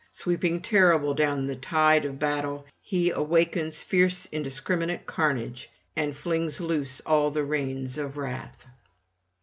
Sweeping terrible down the tide of battle he wakens fierce indiscriminate carnage, and flings loose all the reins of wrath.